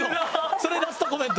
それラストコメント？